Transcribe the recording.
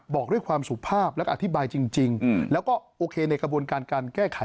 บอกด้วยความสุภาพแล้วก็อธิบายจริงแล้วก็โอเคในกระบวนการการแก้ไข